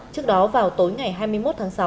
trước đó vào tối ngày hai mươi một tháng sáu